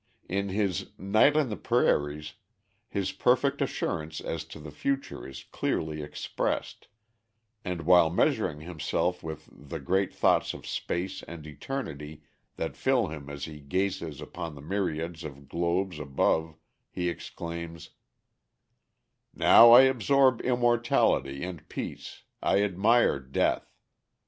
In his Night on the Prairies his perfect assurance as to the future is clearly expressed, and while measuring himself with the great thoughts of space and eternity that fill him as he gazes upon the myriads of globes above, he exclaims: "Now I absorb immortality and peace, I admire death....